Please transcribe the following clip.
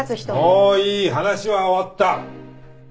もういい話は終わった！